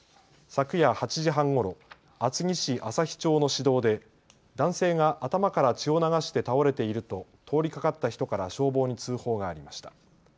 昨夜８時半ごろ厚木市旭町の市道で男性が頭から血を流して倒れていると通りがかった人から消防に通報がありました。